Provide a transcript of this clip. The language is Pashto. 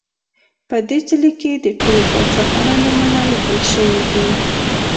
په دې څلي کې د ټولو پاچاهانو نومونه لیکل شوي دي